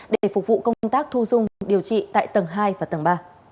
để phục vụ công tác thu dung điều trị tại tầng hai và tầng ba